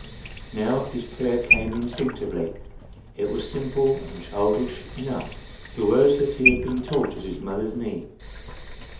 Now this prayer came instinctively. It was simple and childish enough: the words that he had been taught at his mother's knee.